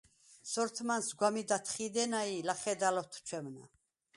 სორთმანს გვა̈მიდ ათხიდენა ი ლა̈ხედალ ოთჩვემნა.